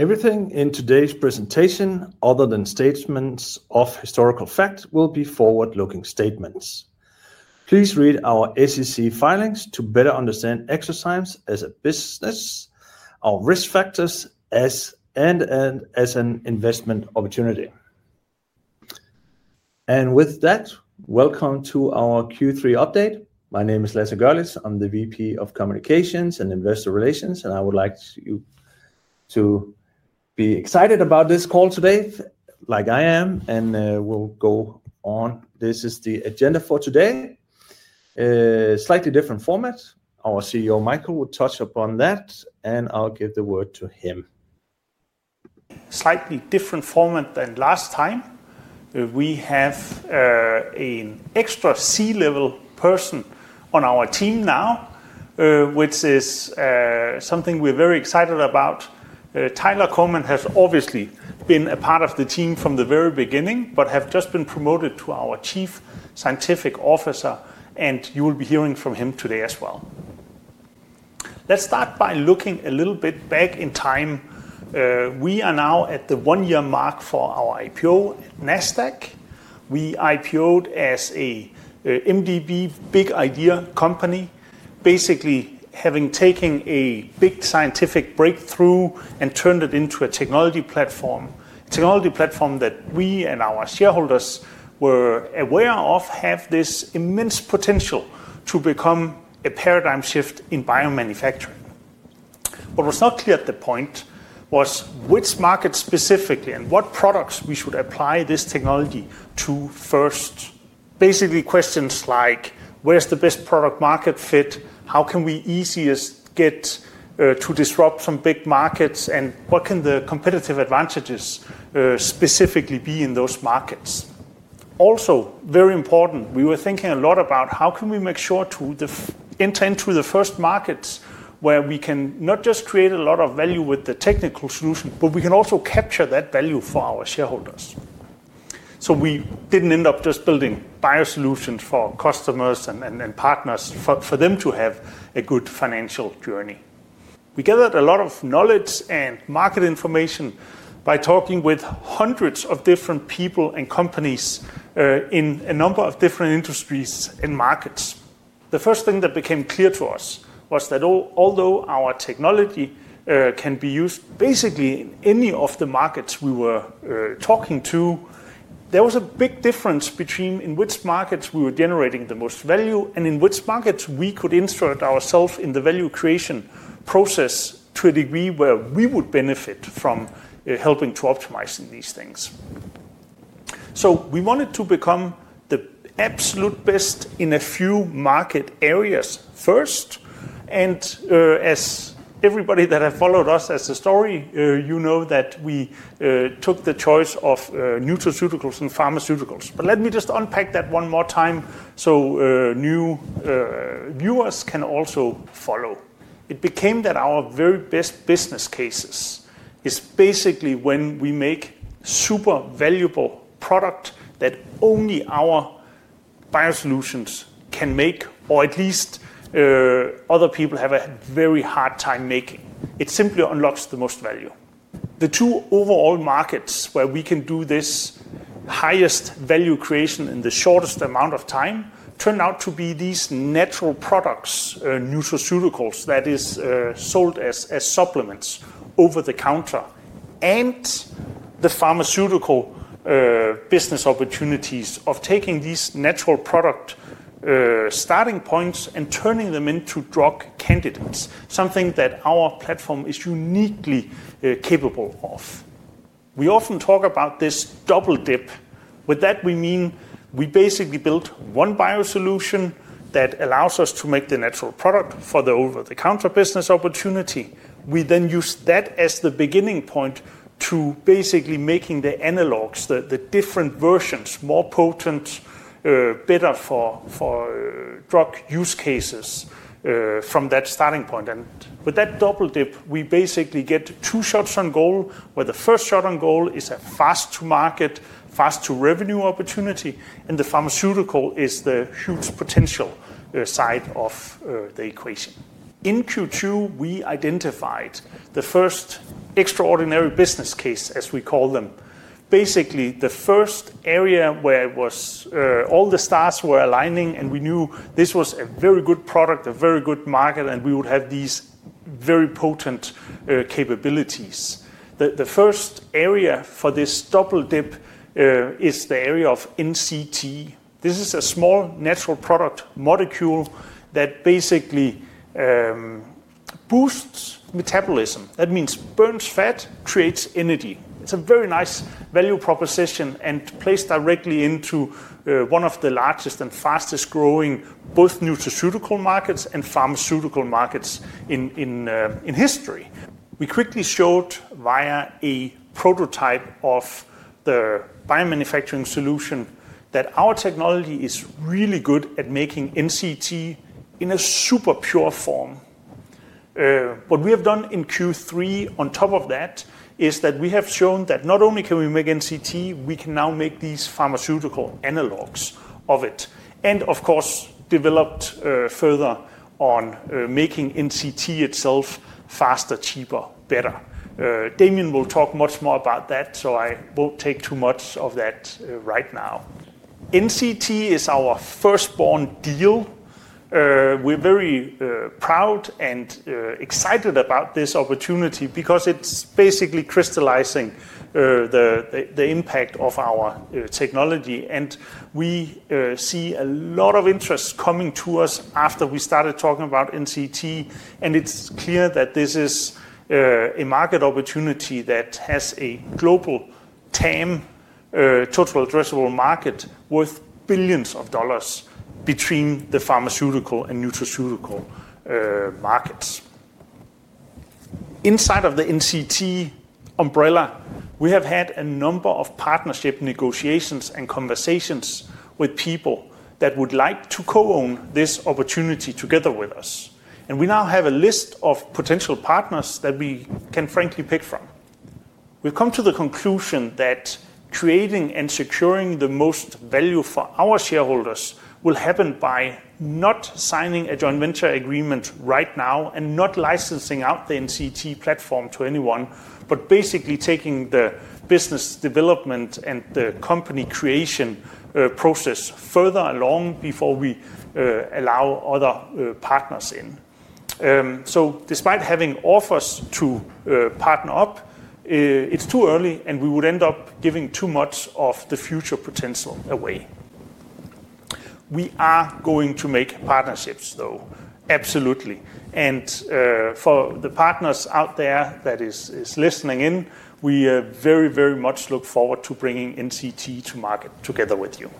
Everything in today's presentation, other than statements of historical fact, will be forward-looking statements. Please read our SEC filings to better understand eXoZymes as a business, our risk factors as, and as an investment opportunity. With that, welcome to our Q3 update. My name is Lasse Görlitz. I'm the VP of Communications and Investor Relations, and I would like you to be excited about this call today, like I am, and we'll go on. This is the agenda for today, a slightly different format. Our CEO, Michael, will touch upon that, and I'll give the word to him. Slightly different format than last time. We have an extra C-level person on our team now, which is something we're very excited about. Tyler Korman has obviously been a part of the team from the very beginning, but has just been promoted to our Chief Scientific Officer, and you will be hearing from him today as well. Let's start by looking a little bit back in time. We are now at the one-year mark for our IPO at Nasdaq. We IPO'd as an MDB, big idea company, basically having taken a big scientific breakthrough and turned it into a technology platform. A technology platform that we and our shareholders were aware of had this immense potential to become a paradigm shift in biomanufacturing. What was not clear at the point was which market specifically and what products we should apply this technology to first. Basically, questions like where's the best product-market fit, how can we easiest get to disrupt some big markets, and what can the competitive advantages specifically be in those markets. Also, very important, we were thinking a lot about how can we make sure to enter into the first markets where we can not just create a lot of value with the technical solution, but we can also capture that value for our shareholders. We did not end up just building bio-solutions for customers and partners for them to have a good financial journey. We gathered a lot of knowledge and market information by talking with hundreds of different people and companies in a number of different industries and markets. The first thing that became clear to us was that although our technology can be used basically in any of the markets we were talking to, there was a big difference between in which markets we were generating the most value and in which markets we could insert ourselves in the value creation process to a degree where we would benefit from helping to optimize these things. We wanted to become the absolute best in a few market areas first. As everybody that has followed us as a story, you know that we took the choice of nutraceuticals and pharmaceuticals. Let me just unpack that one more time so new viewers can also follow. It became that our very best business cases is basically when we make super valuable products that only our bio-solutions can make, or at least other people have a very hard time making. It simply unlocks the most value. The two overall markets where we can do this highest value creation in the shortest amount of time turned out to be these natural products, nutraceuticals that are sold as supplements over the counter, and the pharmaceutical business opportunities of taking these natural product starting points and turning them into drug candidates, something that our platform is uniquely capable of. We often talk about this double dip. With that, we mean we basically built one bio-solution that allows us to make the natural product for the over-the-counter business opportunity. We then use that as the beginning point to basically make the analogs, the different versions, more potent, better for drug use cases from that starting point. With that double dip, we basically get two shots on goal, where the first shot on goal is a fast-to-market, fast-to-revenue opportunity, and the pharmaceutical is the huge potential side of the equation. In Q2, we identified the first extraordinary business case, as we call them. Basically, the first area where all the stars were aligning, and we knew this was a very good product, a very good market, and we would have these very potent capabilities. The first area for this double dip is the area of NCT. This is a small natural product molecule that basically boosts metabolism. That means it burns fat, creates energy. It's a very nice value proposition and plays directly into one of the largest and fastest-growing both nutraceutical markets and pharmaceutical markets in history. We quickly showed via a prototype of the biomanufacturing solution that our technology is really good at making NCT in a super pure form. What we have done in Q3 on top of that is that we have shown that not only can we make NCT, we can now make these pharmaceutical analogs of it, and of course, developed further on making NCT itself faster, cheaper, better. Damien will talk much more about that, so I won't take too much of that right now. NCT is our first-born deal. We're very proud and excited about this opportunity because it's basically crystallizing the impact of our technology. We see a lot of interest coming to us after we started talking about NCT, and it's clear that this is a market opportunity that has a global TAM, total addressable market, worth billions of dollars between the pharmaceutical and nutraceutical markets. Inside of the NCT umbrella, we have had a number of partnership negotiations and conversations with people that would like to co-own this opportunity together with us. We now have a list of potential partners that we can frankly pick from. We have come to the conclusion that creating and securing the most value for our shareholders will happen by not signing a joint venture agreement right now and not licensing out the NCT platform to anyone, but basically taking the business development and the company creation process further along before we allow other partners in. Despite having offers to partner up, it is too early, and we would end up giving too much of the future potential away. We are going to make partnerships, though, absolutely. For the partners out there that are listening in, we very, very much look forward to bringing NCT to market together with you.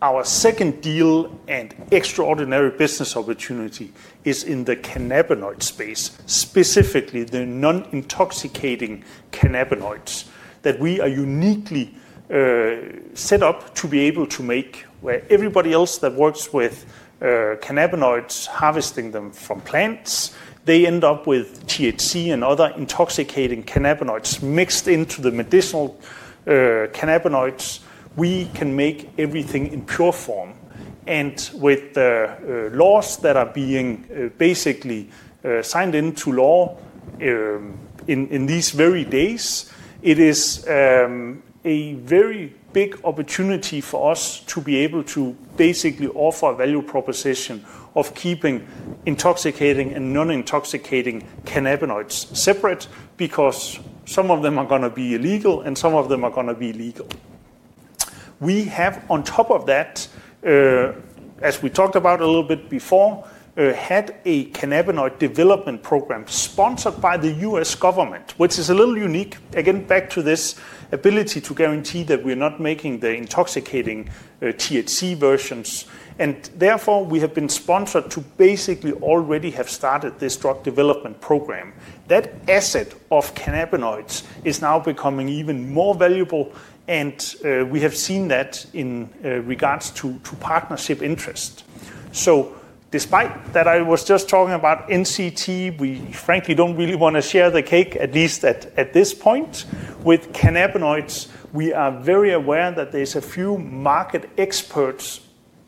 Our second deal and extraordinary business opportunity is in the cannabinoid space, specifically the non-intoxicating cannabinoids that we are uniquely set up to be able to make where everybody else that works with cannabinoids, harvesting them from plants, they end up with THC and other intoxicating cannabinoids mixed into the medicinal cannabinoids. We can make everything in pure form. With the laws that are being basically signed into law in these very days, it is a very big opportunity for us to be able to basically offer a value proposition of keeping intoxicating and non-intoxicating cannabinoids separate because some of them are going to be illegal and some of them are going to be legal. We have, on top of that, as we talked about a little bit before, had a cannabinoid development program sponsored by the U.S. government, which is a little unique. Again, back to this ability to guarantee that we are not making the intoxicating THC versions. Therefore, we have been sponsored to basically already have started this drug development program. That asset of cannabinoids is now becoming even more valuable, and we have seen that in regards to partnership interest. Despite that I was just talking about NCT, we frankly do not really want to share the cake, at least at this point. With cannabinoids, we are very aware that there are a few market experts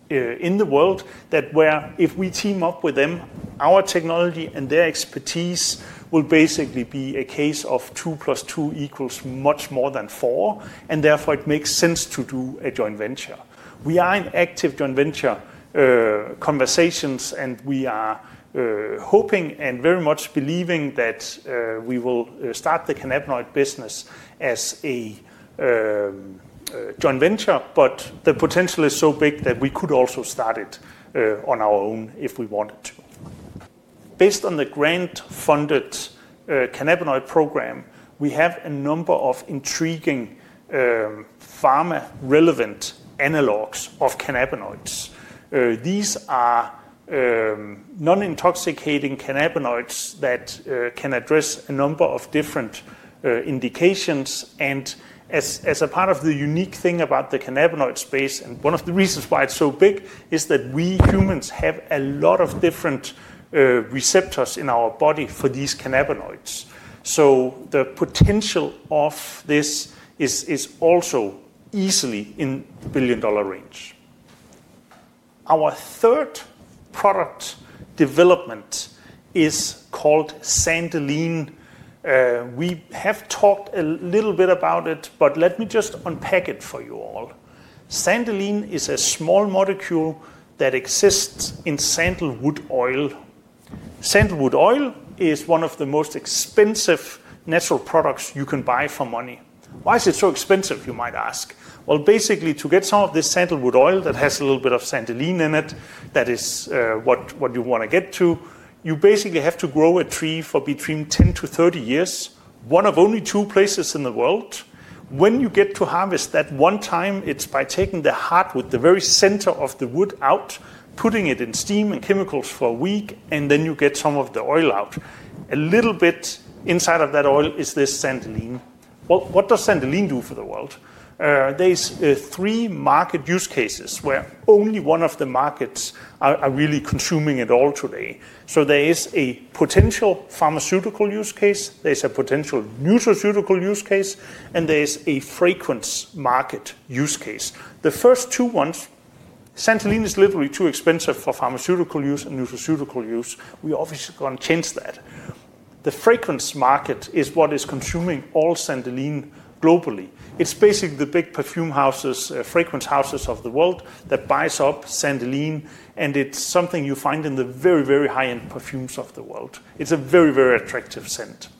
in the world that where if we team up with them, our technology and their expertise will basically be a case of two plus two equals much more than four, and therefore it makes sense to do a joint venture. We are in active joint venture conversations, and we are hoping and very much believing that we will start the cannabinoid business as a joint venture, but the potential is so big that we could also start it on our own if we wanted to. Based on the grant-funded cannabinoid program, we have a number of intriguing pharma-relevant analogs of cannabinoids. These are non-intoxicating cannabinoids that can address a number of different indications. As a part of the unique thing about the cannabinoid space, and one of the reasons why it's so big, is that we humans have a lot of different receptors in our body for these cannabinoids. The potential of this is also easily in the billion-dollar range. Our third product development is called Sandeline. We have talked a little bit about it, but let me just unpack it for you all. Sandeline is a small molecule that exists in sandalwood oil. Sandalwood oil is one of the most expensive natural products you can buy for money. Why is it so expensive, you might ask? Basically, to get some of this sandalwood oil that has a little bit of Sandeline in it, that is what you want to get to, you basically have to grow a tree for between 10 to 30 years, one of only two places in the world. When you get to harvest that one time, it's by taking the heart, the very center of the wood out, putting it in steam and chemicals for a week, and then you get some of the oil out. A little bit inside of that oil is this Sandeline. What does Sandeline do for the world? There are three market use cases where only one of the markets is really consuming it all today. There is a potential pharmaceutical use case, there is a potential nutraceutical use case, and there is a fragrance market use case. The first two ones, Sandalene is literally too expensive for pharmaceutical use and nutraceutical use. We obviously can change that. The fragrance market is what is consuming all Sandalene globally. It's basically the big perfume houses, fragrance houses of the world that buy up Sandalene, and it's something you find in the very, very high-end perfumes of the world. It's a very, very attractive scent.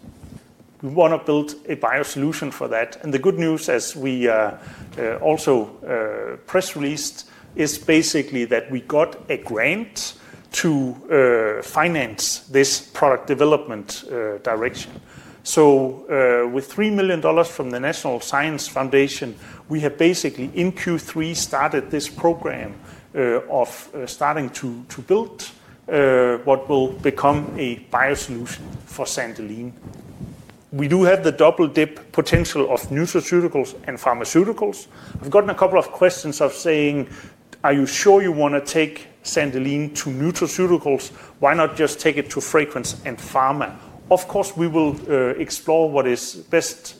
We want to build a bio-solution for that. The good news, as we also press released, is basically that we got a grant to finance this product development direction. With $3 million from the National Science Foundation, we have basically in Q3 started this program of starting to build what will become a bio-solution for Sandalene. We do have the double dip potential of nutraceuticals and pharmaceuticals. I've gotten a couple of questions of saying, "Are you sure you want to take Sandeline to nutraceuticals? Why not just take it to fragrance and pharma?" Of course, we will explore what is best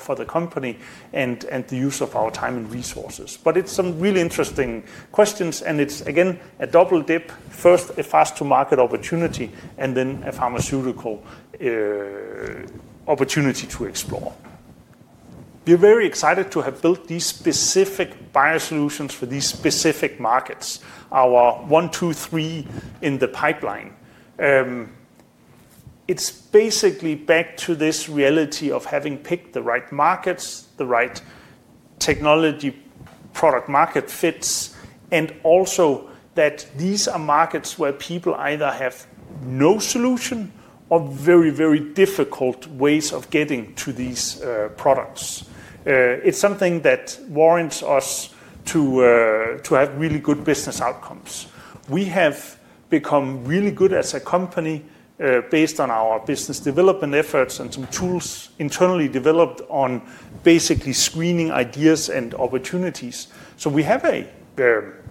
for the company and the use of our time and resources. It's some really interesting questions, and it's, again, a double dip. First, a fast-to-market opportunity, and then a pharmaceutical opportunity to explore. We're very excited to have built these specific bio-solutions for these specific markets, our one, two, three in the pipeline. It's basically back to this reality of having picked the right markets, the right technology product-market fits, and also that these are markets where people either have no solution or very, very difficult ways of getting to these products. It's something that warrants us to have really good business outcomes. We have become really good as a company based on our business development efforts and some tools internally developed on basically screening ideas and opportunities. We have a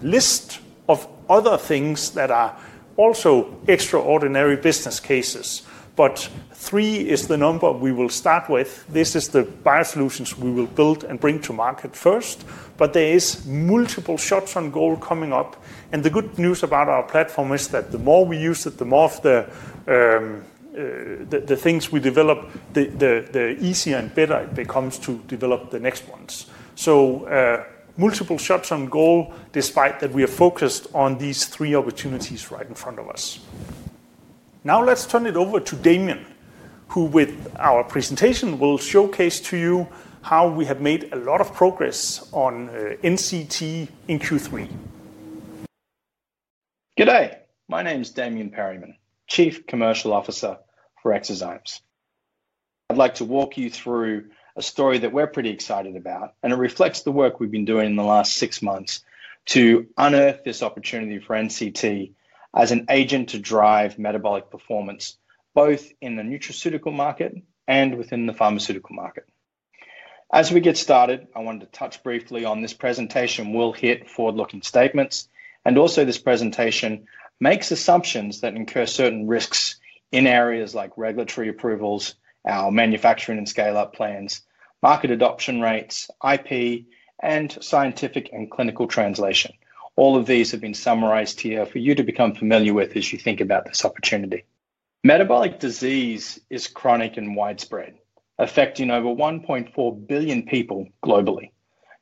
list of other things that are also extraordinary business cases, but three is the number we will start with. This is the bio-solutions we will build and bring to market first, but there are multiple shots on goal coming up. The good news about our platform is that the more we use it, the more of the things we develop, the easier and better it becomes to develop the next ones. Multiple shots on goal, despite that we are focused on these three opportunities right in front of us. Now let's turn it over to Damien, who with our presentation will showcase to you how we have made a lot of progress on NCT in Q3. Good day. My name is Damien Perriman, Chief Commercial Officer for eXoZymes. I'd like to walk you through a story that we're pretty excited about, and it reflects the work we've been doing in the last six months to unearth this opportunity for NCT as an agent to drive metabolic performance, both in the nutraceutical market and within the pharmaceutical market. As we get started, I wanted to touch briefly on this presentation. We'll hit forward-looking statements, and also this presentation makes assumptions that incur certain risks in areas like regulatory approvals, our manufacturing and scale-up plans, market adoption rates, IP, and scientific and clinical translation. All of these have been summarized here for you to become familiar with as you think about this opportunity. Metabolic disease is chronic and widespread, affecting over 1.4 billion people globally.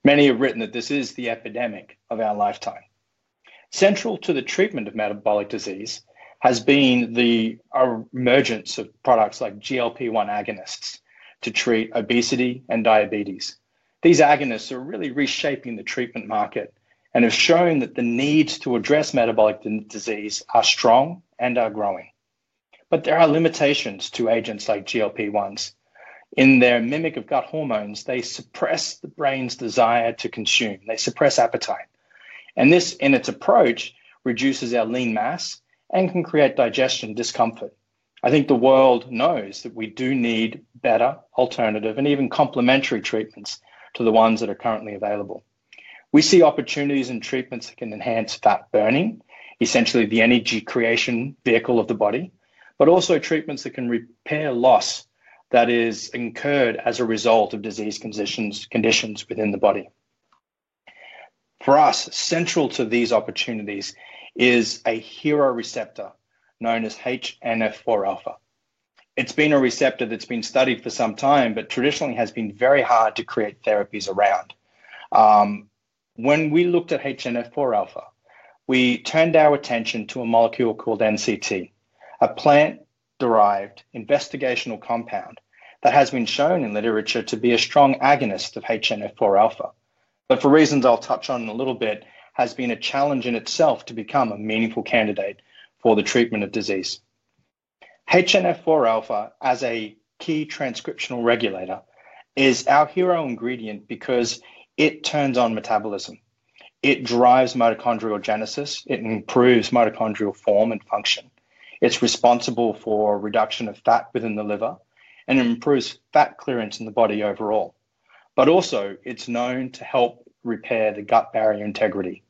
Many have written that this is the epidemic of our lifetime. Central to the treatment of metabolic disease has been the emergence of products like GLP-1 agonists to treat obesity and diabetes. These agonists are really reshaping the treatment market and have shown that the needs to address metabolic disease are strong and are growing. There are limitations to agents like GLP-1s. In their mimic of gut hormones, they suppress the brain's desire to consume. They suppress appetite. This, in its approach, reduces our lean mass and can create digestion discomfort. I think the world knows that we do need better alternative and even complementary treatments to the ones that are currently available. We see opportunities in treatments that can enhance fat burning, essentially the energy creation vehicle of the body, but also treatments that can repair loss that is incurred as a result of disease conditions within the body. For us, central to these opportunities is a hero receptor known as HNF4α. It's been a receptor that's been studied for some time, but traditionally has been very hard to create therapies around. When we looked atHNF4α, we turned our attention to a molecule called NCT, a plant-derived investigational compound that has been shown in literature to be a strong agonist of HNF4α, but for reasons I'll touch on in a little bit, has been a challenge in itself to become a meaningful candidate for the treatment of disease. HNF4α, as a key transcriptional regulator, is our hero ingredient because it turns on metabolism. It drives mitochondrial genesis. It improves mitochondrial form and function. It's responsible for reduction of fat within the liver and improves fat clearance in the body overall. It is also known to help repair the gut barrier integrity.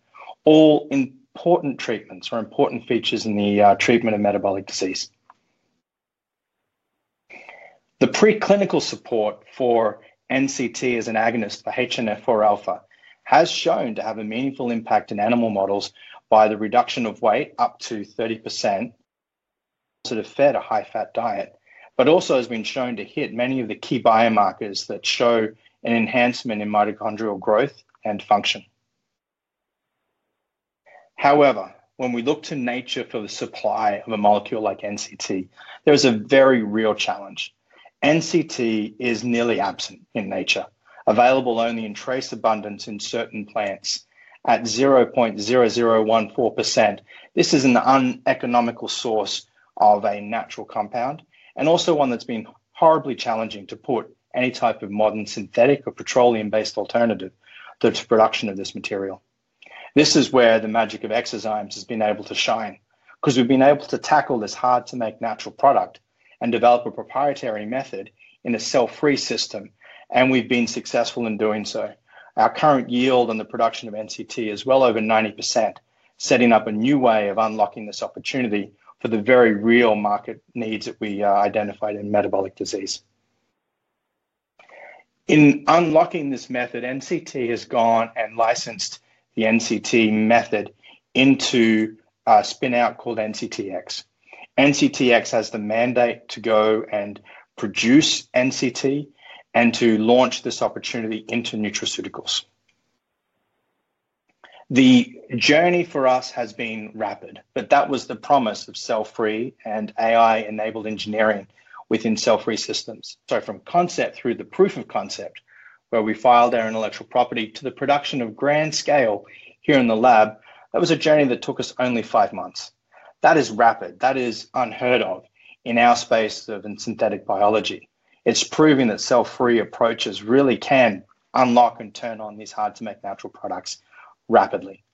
All important treatments are important features in the treatment of metabolic disease. The preclinical support for NCT as an agonist for HNF4α has shown to have a meaningful impact in animal models by the reduction of weight up to 30% that are fed a high-fat diet, but also has been shown to hit many of the key biomarkers that show an enhancement in mitochondrial growth and function. However, when we look to nature for the supply of a molecule like NCT, there is a very real challenge. NCT is nearly absent in nature, available only in trace abundance in certain plants at 0.0014%. This is an uneconomical source of a natural compound and also one that's been horribly challenging to put any type of modern synthetic or petroleum-based alternative to production of this material. This is where the magic of eXoZymes has been able to shine because we've been able to tackle this hard-to-make natural product and develop a proprietary method in a cell-free system, and we've been successful in doing so. Our current yield on the production of NCT is well over 90%, setting up a new way of unlocking this opportunity for the very real market needs that we identified in metabolic disease. In unlocking this method, NCT has gone and licensed the NCT method into a spinout called NCTX. NCTX has the mandate to go and produce NCT and to launch this opportunity into nutraceuticals. The journey for us has been rapid, but that was the promise of cell-free and AI-enabled engineering within cell-free systems. From concept through the proof of concept, where we filed our intellectual property to the production of grand scale here in the lab, that was a journey that took us only five months. That is rapid. That is unheard of in our space of synthetic biology. It is proving that cell-free approaches really can unlock and turn on these hard-to-make natural products rapidly.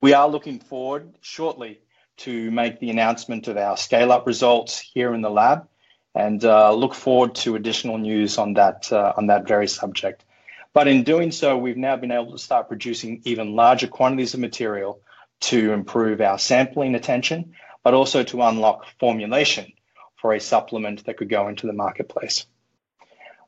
We are looking forward shortly to make the announcement of our scale-up results here in the lab and look forward to additional news on that very subject. In doing so, we have now been able to start producing even larger quantities of material to improve our sampling attention, but also to unlock formulation for a supplement that could go into the marketplace.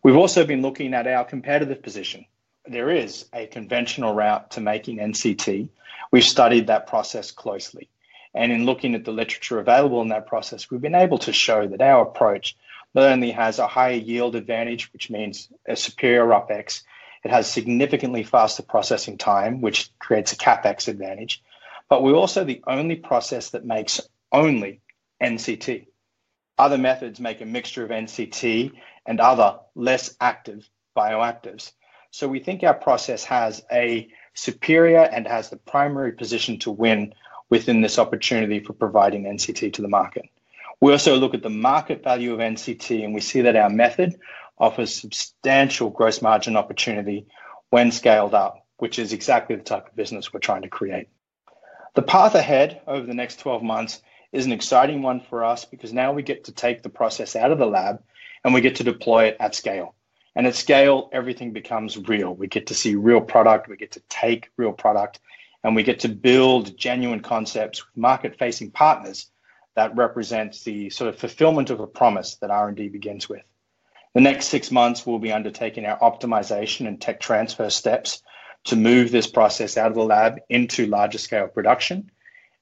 We have also been looking at our competitive position. There is a conventional route to making NCT. We have studied that process closely. In looking at the literature available in that process, we've been able to show that our approach not only has a higher yield advantage, which means a superior OpEx, it has significantly faster processing time, which creates a CapEx advantage, but we're also the only process that makes only NCT. Other methods make a mixture of NCT and other less active bioactives. We think our process has a superior and has the primary position to win within this opportunity for providing NCT to the market. We also look at the market value of NCT, and we see that our method offers substantial gross margin opportunity when scaled up, which is exactly the type of business we're trying to create. The path ahead over the next 12 months is an exciting one for us because now we get to take the process out of the lab, and we get to deploy it at scale. At scale, everything becomes real. We get to see real product. We get to take real product, and we get to build genuine concepts with market-facing partners that represent the sort of fulfillment of a promise that R&D begins with. The next six months, we'll be undertaking our optimization and tech transfer steps to move this process out of the lab into larger scale production.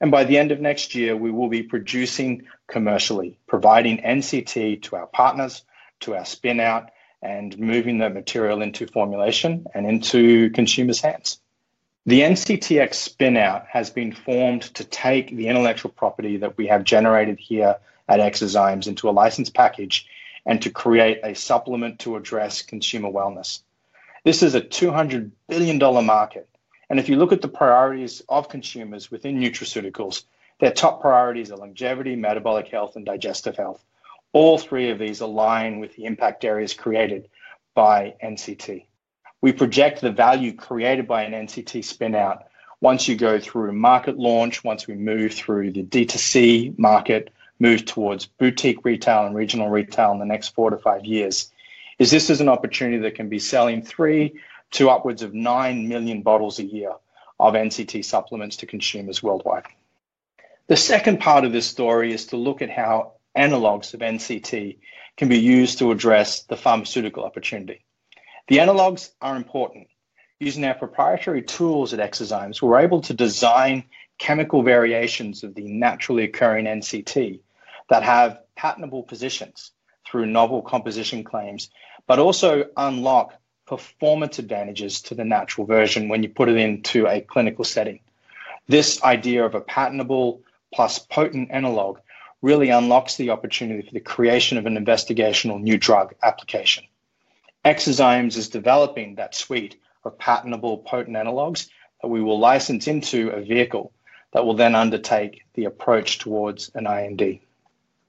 By the end of next year, we will be producing commercially, providing NCT to our partners, to our spinout, and moving the material into formulation and into consumers' hands. The NCTX spinout has been formed to take the intellectual property that we have generated here at eXoZymes into a license package and to create a supplement to address consumer wellness. This is a $200 billion market. If you look at the priorities of consumers within nutraceuticals, their top priorities are longevity, metabolic health, and digestive health. All three of these align with the impact areas created by NCT. We project the value created by an NCT spinout once you go through market launch, once we move through the D2C market, move towards boutique retail and regional retail in the next four to five years, is this is an opportunity that can be selling three to upwards of nine million bottles a year of NCT supplements to consumers worldwide. The second part of this story is to look at how analogs of NCT can be used to address the pharmaceutical opportunity. The analogs are important. Using our proprietary tools at eXoZymes, we're able to design chemical variations of the naturally occurring NCT that have patentable positions through novel composition claims, but also unlock performance advantages to the natural version when you put it into a clinical setting. This idea of a patentable plus potent analog really unlocks the opportunity for the creation of an investigational new drug application. eXoZymes is developing that suite of patentable potent analogs that we will license into a vehicle that will then undertake the approach towards an IND.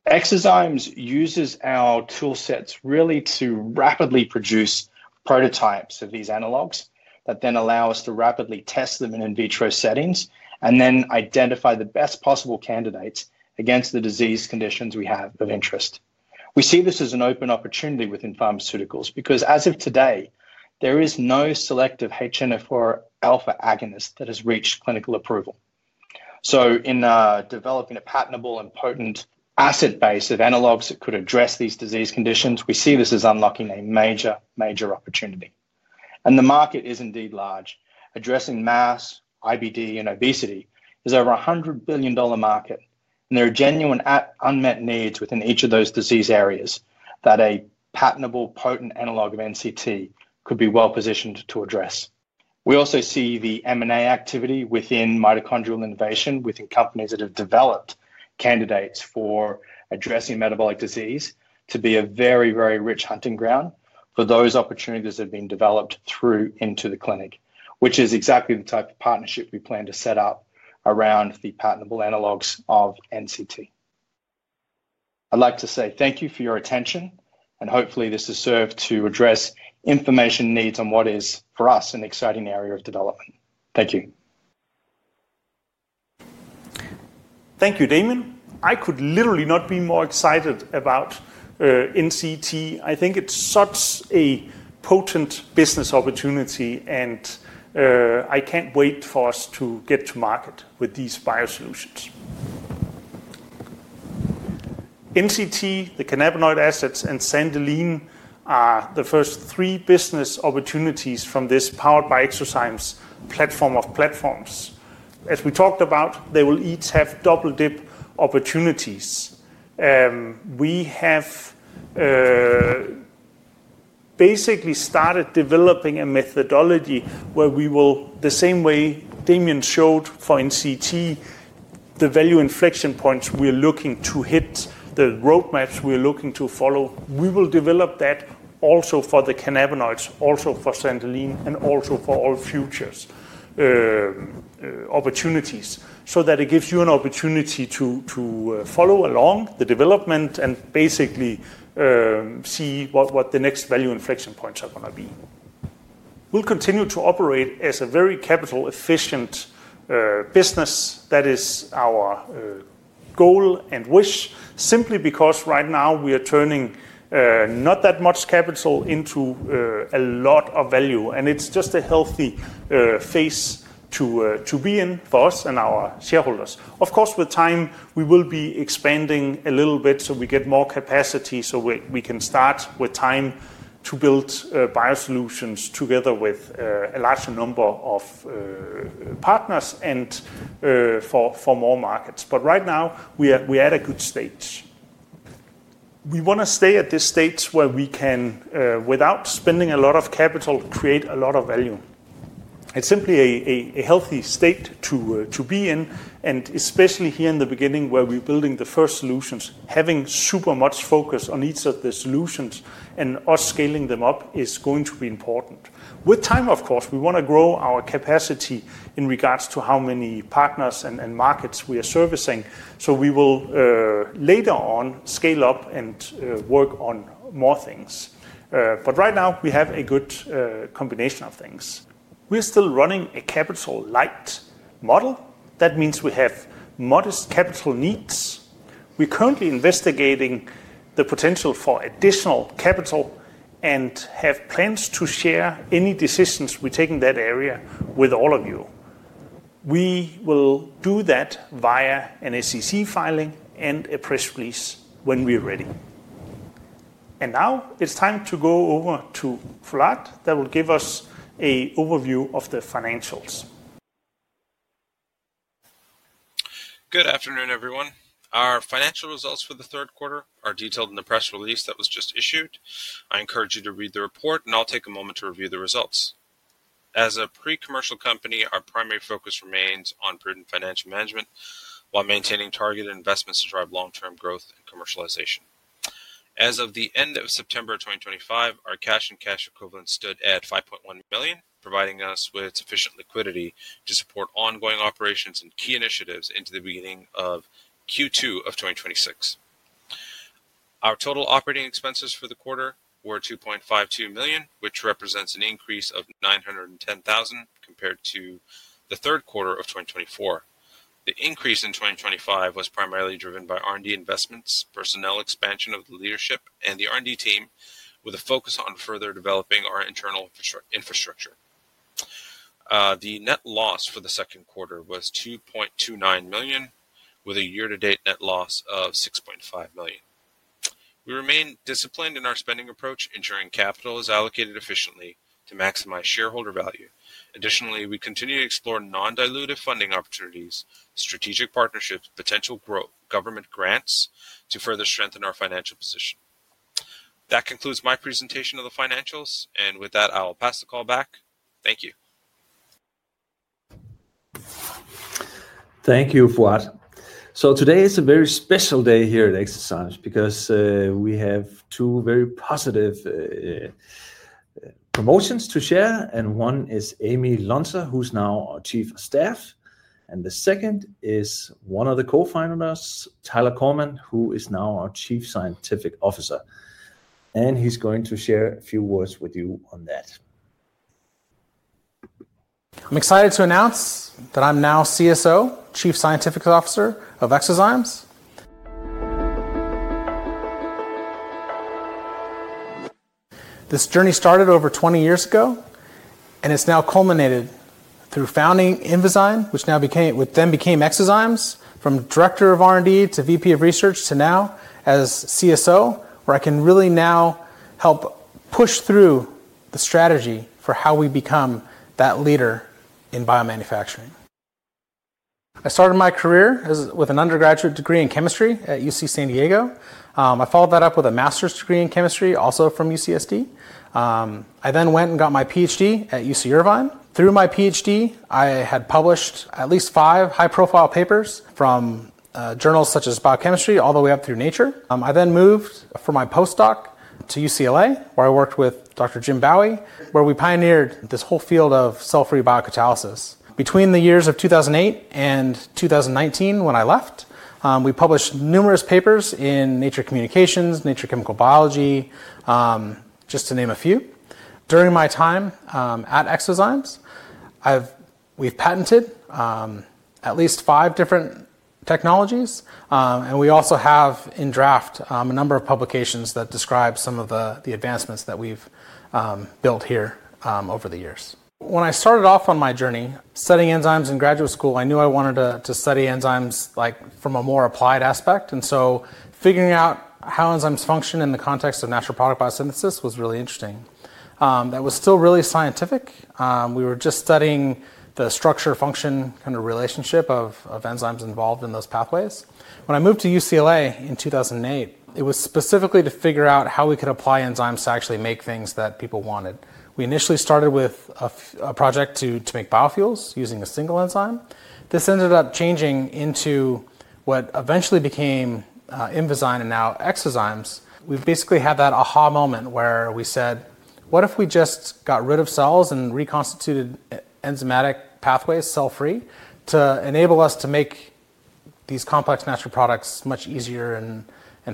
eXoZymes uses our tool sets really to rapidly produce prototypes of these analogs that then allow us to rapidly test them in in vitro settings and then identify the best possible candidates against the disease conditions we have of interest. We see this as an open opportunity within pharmaceuticals because as of today, there is no selective HNF4α agonist that has reached clinical approval. In developing a patentable and potent acid base of analogs that could address these disease conditions, we see this as unlocking a major, major opportunity. The market is indeed large. Addressing mass, IBD, and obesity is over a $100 billion market. There are genuine unmet needs within each of those disease areas that a patentable potent analog of NCT could be well positioned to address. We also see the M&A activity within mitochondrial innovation within companies that have developed candidates for addressing metabolic disease to be a very, very rich hunting ground for those opportunities that have been developed through into the clinic, which is exactly the type of partnership we plan to set up around the patentable analogs of NCT. I'd like to say thank you for your attention, and hopefully this has served to address information needs on what is, for us, an exciting area of development. Thank you. Thank you, Damien. I could literally not be more excited about NCT. I think it's such a potent business opportunity, and I can't wait for us to get to market with these biosolutions. NCT, the cannabinoid assets, and Sandeline are the first three business opportunities from this powered by eXoZymes platform of platforms. As we talked about, they will each have double-dip opportunities. We have basically started developing a methodology where we will, the same way Damien showed for NCT, the value inflection points we're looking to hit, the roadmaps we're looking to follow. We will develop that also for the cannabinoids, also for Sandeline, and also for all futures opportunities so that it gives you an opportunity to follow along the development and basically see what the next value inflection points are going to be. We'll continue to operate as a very capital-efficient business. That is our goal and wish simply because right now we are turning not that much capital into a lot of value, and it's just a healthy phase to be in for us and our shareholders. Of course, with time, we will be expanding a little bit so we get more capacity so we can start with time to build biosolutions together with a larger number of partners and for more markets. Right now, we are at a good stage. We want to stay at this stage where we can, without spending a lot of capital, create a lot of value. It's simply a healthy state to be in, and especially here in the beginning where we're building the first solutions, having super much focus on each of the solutions and us scaling them up is going to be important. With time, of course, we want to grow our capacity in regards to how many partners and markets we are servicing. We will later on scale up and work on more things. Right now, we have a good combination of things. We're still running a capital-light model. That means we have modest capital needs. We're currently investigating the potential for additional capital and have plans to share any decisions we take in that area with all of you. We will do that via an SEC filing and a press release when we're ready. Now it's time to go over to Fouad that will give us an overview of the financials. Good afternoon, everyone. Our financial results for the third quarter are detailed in the press release that was just issued. I encourage you to read the report, and I'll take a moment to review the results. As a pre-commercial company, our primary focus remains on prudent financial management while maintaining targeted investments to drive long-term growth and commercialization. As of the end of September 2025, our cash and cash equivalent stood at $5.1 million, providing us with sufficient liquidity to support ongoing operations and key initiatives into the beginning of Q2 of 2026. Our total operating expenses for the quarter were $2.52 million, which represents an increase of $910,000 compared to the third quarter of 2024. The increase in 2025 was primarily driven by R&D investments, personnel expansion of the leadership, and the R&D team with a focus on further developing our internal infrastructure. The net loss for the second quarter was $2.29 million, with a year-to-date net loss of $6.5 million. We remain disciplined in our spending approach, ensuring capital is allocated efficiently to maximize shareholder value. Additionally, we continue to explore non-dilutive funding opportunities, strategic partnerships, potential government grants to further strengthen our financial position. That concludes my presentation of the financials. I'll pass the call back. Thank you. Thank you, Fouad. Today is a very special day here at eXoZymes because we have two very positive promotions to share. One is Amy Lunzer, who's now our Chief of Staff. The second is one of the co-founders, Tyler Korman, who is now our Chief Scientific Officer. He's going to share a few words with you on that. I'm excited to announce that I'm now CSO, Chief Scientific Officer of eXoZymes. This journey started over 20 years ago, and it's now culminated through founding Invizyne, which then became eXoZymes, from Director of R&D to VP of Research to now as CSO, where I can really now help push through the strategy for how we become that leader in biomanufacturing. I started my career with an undergraduate degree in chemistry at UC San Diego. I followed that up with a master's degree in chemistry, also from UC San Diego. I then went and got my PhD at UC Irvine. Through my PhD, I had published at least five high-profile papers from journals such as Biochemistry all the way up through Nature. I then moved for my postdoc to UCLA, where I worked with Dr. Jim Bowie, where we pioneered this whole field of cell-free biocatalysis. Between the years of 2008 and 2019, when I left, we published numerous papers in Nature Communications, Nature Chemical Biology, just to name a few. During my time at eXoZymes, we've patented at least five different technologies, and we also have in draft a number of publications that describe some of the advancements that we've built here over the years. When I started off on my journey studying enzymes in graduate school, I knew I wanted to study enzymes from a more applied aspect. Figuring out how enzymes function in the context of natural product biosynthesis was really interesting. That was still really scientific. We were just studying the structure-function kind of relationship of enzymes involved in those pathways. When I moved to UCLA in 2008, it was specifically to figure out how we could apply enzymes to actually make things that people wanted. We initially started with a project to make biofuels using a single enzyme. This ended up changing into what eventually became Invizyne and now eXoZymes. We basically had that aha moment where we said, "What if we just got rid of cells and reconstituted enzymatic pathways cell-free to enable us to make these complex natural products much easier and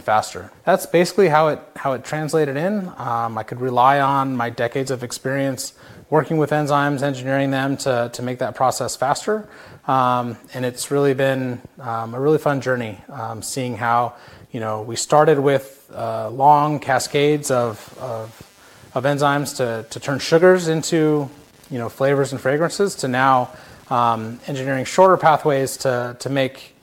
faster?" That is basically how it translated in. I could rely on my decades of experience working with enzymes, engineering them to make that process faster. It has really been a really fun journey seeing how we started with long cascades of enzymes to turn sugars into flavors and fragrances to now engineering shorter pathways to make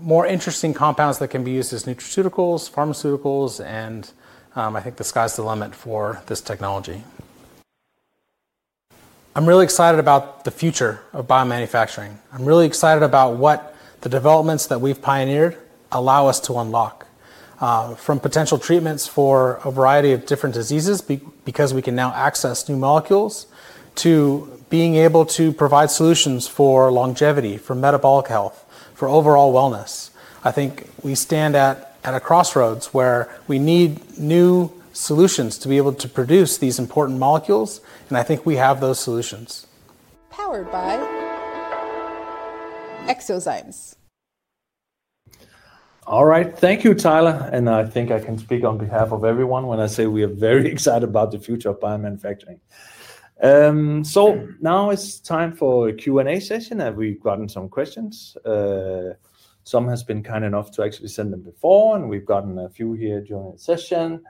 more interesting compounds that can be used as nutraceuticals, pharmaceuticals, and I think the sky's the limit for this technology. I am really excited about the future of biomanufacturing. I'm really excited about what the developments that we've pioneered allow us to unlock from potential treatments for a variety of different diseases because we can now access new molecules to being able to provide solutions for longevity, for metabolic health, for overall wellness. I think we stand at a crossroads where we need new solutions to be able to produce these important molecules, and I think we have those solutions. Powered by eXoZymes. All right. Thank you, Tyler. I think I can speak on behalf of everyone when I say we are very excited about the future of biomanufacturing. Now it's time for a Q&A session, and we've gotten some questions. Some have been kind enough to actually send them before, and we've gotten a few here during the session.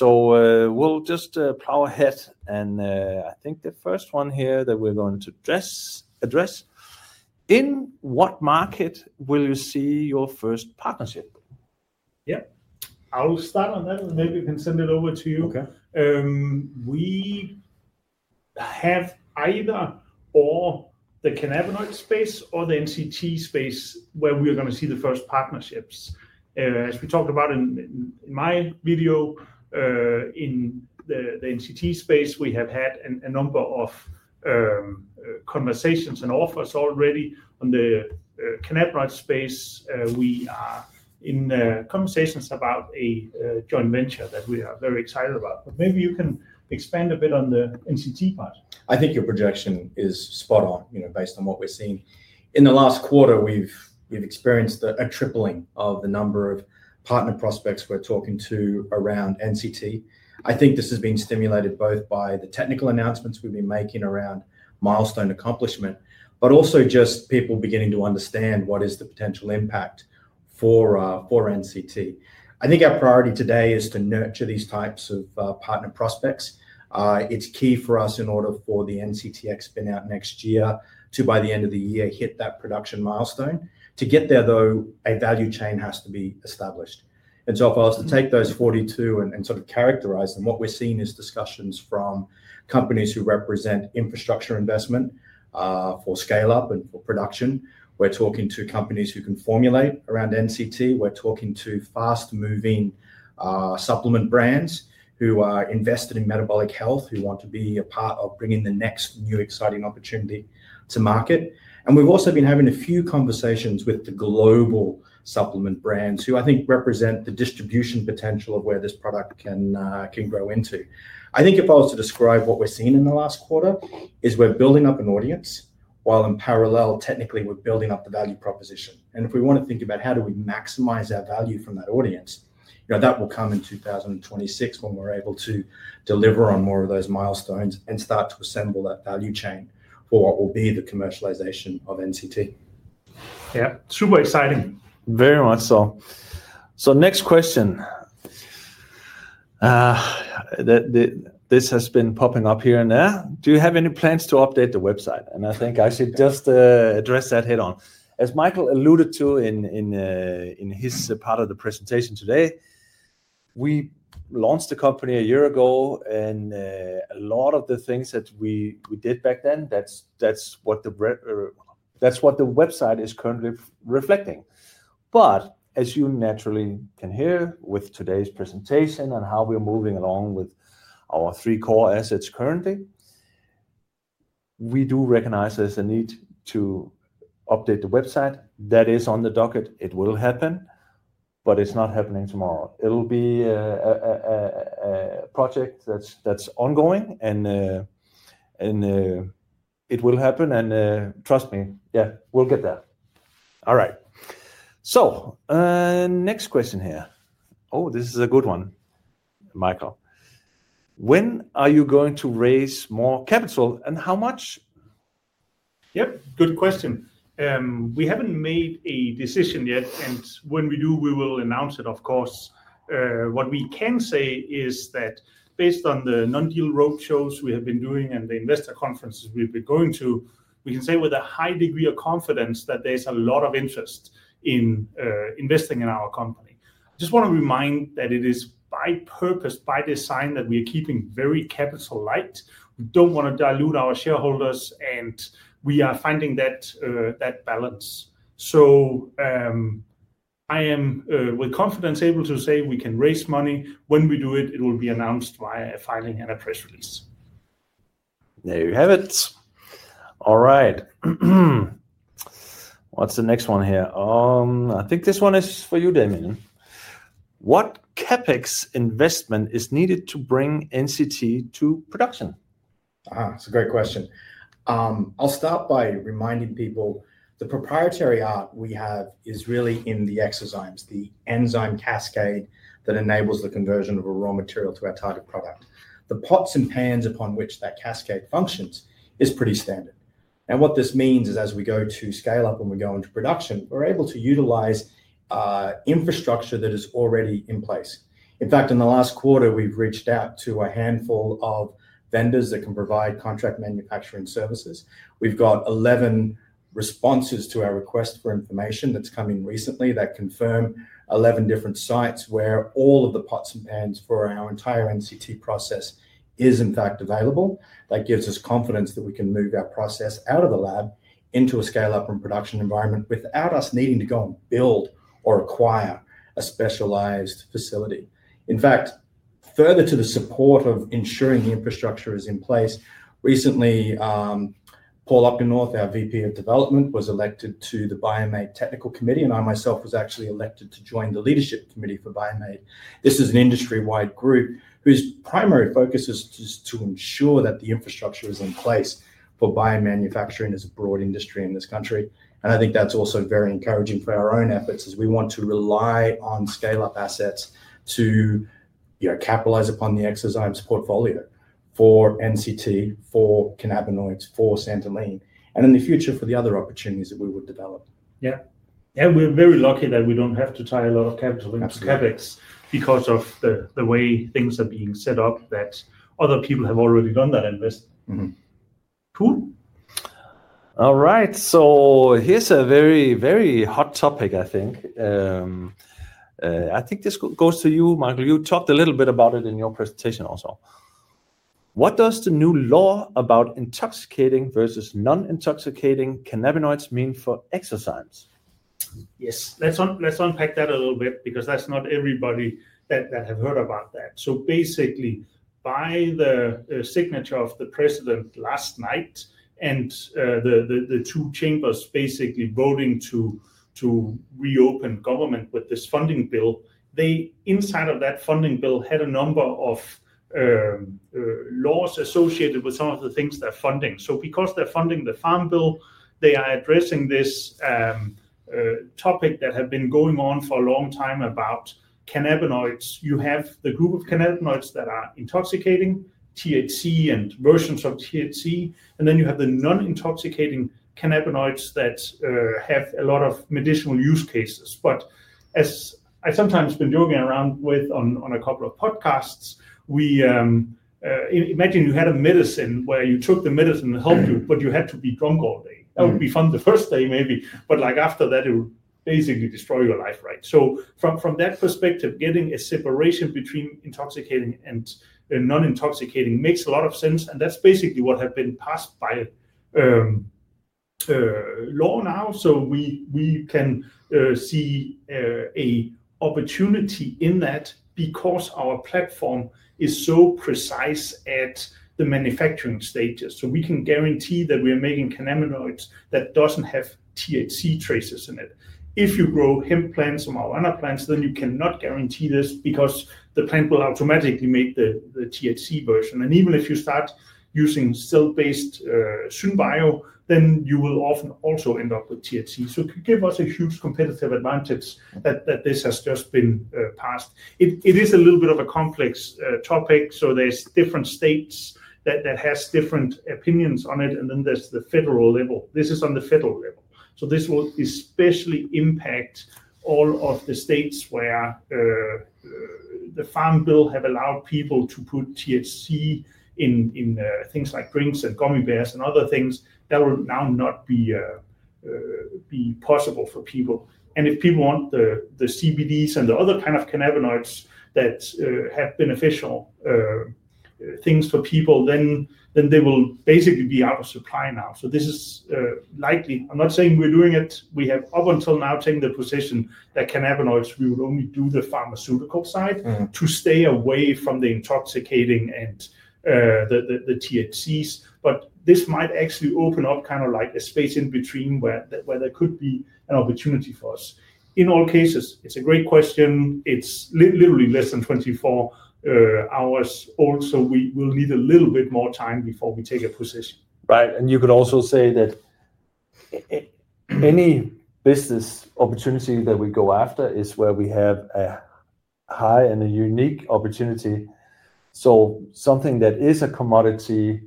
We'll just plow ahead. I think the first one here that we're going to address, in what market will you see your first partnership? Yeah, I'll start on that, and maybe we can send it over to you. We have either the cannabinoid space or the NCT space where we are going to see the first partnerships. As we talked about in my video, in the NCT space, we have had a number of conversations and offers already. On the cannabinoid space, we are in conversations about a joint venture that we are very excited about. Maybe you can expand a bit on the NCT part. I think your projection is spot on based on what we're seeing. In the last quarter, we've experienced a tripling of the number of partner prospects we're talking to around NCT. I think this has been stimulated both by the technical announcements we've been making around milestone accomplishment, but also just people beginning to understand what is the potential impact for NCT. I think our priority today is to nurture these types of partner prospects. It's key for us in order for the NCT expand out next year to, by the end of the year, hit that production milestone. To get there, though, a value chain has to be established. If I was to take those 42 and sort of characterize them, what we're seeing is discussions from companies who represent infrastructure investment for scale-up and for production. We're talking to companies who can formulate around NCT. We're talking to fast-moving supplement brands who are invested in metabolic health, who want to be a part of bringing the next new exciting opportunity to market. We've also been having a few conversations with the global supplement brands who I think represent the distribution potential of where this product can grow into. I think if I was to describe what we're seeing in the last quarter, we're building up an audience while in parallel, technically, we're building up the value proposition. If we want to think about how do we maximize our value from that audience, that will come in 2026 when we're able to deliver on more of those milestones and start to assemble that value chain for what will be the commercialization of NCT. Yeah, super exciting. Very much so. Next question. This has been popping up here and there. Do you have any plans to update the website? I think I should just address that head-on. As Michael alluded to in his part of the presentation today, we launched the company a year ago, and a lot of the things that we did back then, that's what the website is currently reflecting. As you naturally can hear with today's presentation and how we're moving along with our three core assets currently, we do recognize there's a need to update the website. That is on the docket. It will happen, but it's not happening tomorrow. It'll be a project that's ongoing, and it will happen. Trust me, yeah, we'll get there. All right. Next question here. Oh, this is a good one, Michael. When are you going to raise more capital and how much? Yep, good question. We haven't made a decision yet, and when we do, we will announce it, of course. What we can say is that based on the non-deal roadshows we have been doing and the investor conferences we've been going to, we can say with a high degree of confidence that there's a lot of interest in investing in our company. I just want to remind that it is by purpose, by design, that we are keeping very capital light. We don't want to dilute our shareholders, and we are finding that balance. I am, with confidence, able to say we can raise money. When we do it, it will be announced via a filing and a press release. There you have it. All right. What's the next one here? I think this one is for you, Damien. What CapEx investment is needed to bring NCT to production? It's a great question. I'll start by reminding people the proprietary art we have is really in the exozymes, the enzyme cascade that enables the conversion of a raw material to our target product. The pots and pans upon which that cascade functions is pretty standard. What this means is as we go to scale up and we go into production, we're able to utilize infrastructure that is already in place. In fact, in the last quarter, we've reached out to a handful of vendors that can provide contract manufacturing services. We've got 11 responses to our request for information that's come in recently that confirm 11 different sites where all of the pots and pans for our entire NCT process is, in fact, available. That gives us confidence that we can move our process out of the lab into a scale-up and production environment without us needing to go and build or acquire a specialized facility. In fact, further to the support of ensuring the infrastructure is in place, recently, Paul Opgenorth, our VP of Development, was elected to the Biomate Technical Committee, and I myself was actually elected to join the leadership committee for BioMADE. This is an industry-wide group whose primary focus is to ensure that the infrastructure is in place for biomanufacturing as a broad industry in this country. I think that's also very encouraging for our own efforts as we want to rely on scale-up assets to capitalize upon the eXoZymes portfolio for NCT, for cannabinoids, for santalene, and in the future for the other opportunities that we would develop. Yeah. We're very lucky that we don't have to tie a lot of capital into CapEx because of the way things are being set up that other people have already done that investment. Cool. All right. So here's a very, very hot topic, I think. I think this goes to you, Michael. You talked a little bit about it in your presentation also. What does the new law about intoxicating versus non-intoxicating cannabinoids mean for eXoZymes? Yes, let's unpack that a little bit because that's not everybody that have heard about that. Basically, by the signature of the president last night and the two chambers basically voting to reopen government with this funding bill, they inside of that funding bill had a number of laws associated with some of the things they're funding. Because they're funding the Farm Bill, they are addressing this topic that had been going on for a long time about cannabinoids. You have the group of cannabinoids that are intoxicating, THC and versions of THC, and then you have the non-intoxicating cannabinoids that have a lot of medicinal use cases. As I sometimes been joking around with on a couple of podcasts, imagine you had a medicine where you took the medicine and it helped you, but you had to be drunk all day. That would be fun the first day, maybe, but after that, it would basically destroy your life, right? From that perspective, getting a separation between intoxicating and non-intoxicating makes a lot of sense. That is basically what has been passed by law now. We can see an opportunity in that because our platform is so precise at the manufacturing stages. We can guarantee that we are making cannabinoids that do not have THC traces in it. If you grow hemp plants or marijuana plants, you cannot guarantee this because the plant will automatically make the THC version. Even if you start using cell-based Sunbio, you will often also end up with THC. It gives us a huge competitive advantage that this has just been passed. It is a little bit of a complex topic. There are different states that have different opinions on it, and then there is the federal level. This is on the federal level. This will especially impact all of the states where the Farm Bill has allowed people to put THC in things like drinks and gummy bears and other things that will now not be possible for people. If people want the CBDs and the other kind of cannabinoids that have beneficial things for people, then they will basically be out of supply now. This is likely, I am not saying we are doing it. We have up until now taken the position that cannabinoids, we would only do the pharmaceutical side to stay away from the intoxicating and the THCs. This might actually open up kind of like a space in between where there could be an opportunity for us. In all cases, it is a great question. It's literally less than 24 hours old, so we will need a little bit more time before we take a position. Right. You could also say that any business opportunity that we go after is where we have a high and a unique opportunity. Something that is a commodity,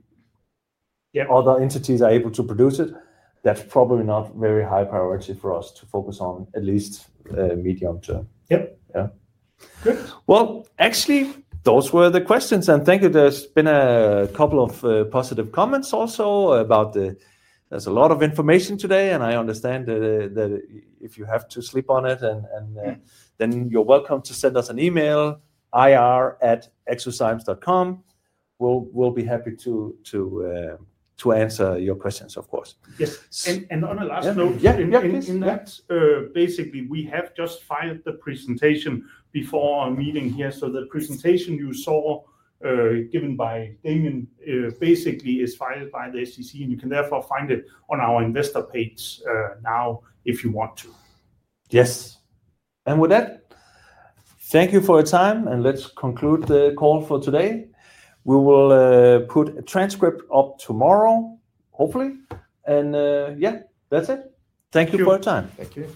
other entities are able to produce it, that's probably not a very high priority for us to focus on, at least medium term. Yep. Yeah. Good. Actually, those were the questions. Thank you. There have been a couple of positive comments also about the, there's a lot of information today, and I understand that if you have to sleep on it, then you're welcome to send us an email, ir@exozymes.com. We'll be happy to answer your questions, of course. Yes. On a last note. Yep. In that, basically, we have just filed the presentation before our meeting here. So the presentation you saw given by Damien basically is filed by the SEC, and you can therefore find it on our investor page now if you want to. Yes. And with that, thank you for your time, and let's conclude the call for today. We will put a transcript up tomorrow, hopefully. And yeah, that's it. Thank you for your time. Thank you.